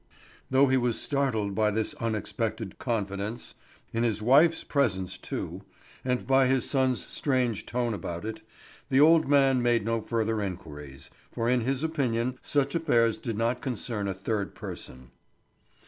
Though he was startled by this unexpected confidence, in his wife's presence too, and by his son's strange tone about it, the old man made no further inquiries, for in his opinion such affairs did not concern a third person.